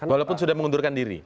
walaupun sudah mengundurkan diri